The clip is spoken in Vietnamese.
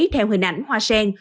theo hình ảnh hoa sen